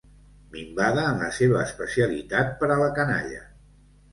Minvada en la seva especialitat per a la canalla.